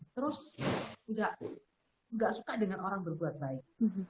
terus nggak suka dengan orang berbuat baik